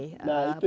nah itu ya